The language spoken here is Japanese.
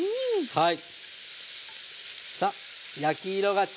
はい。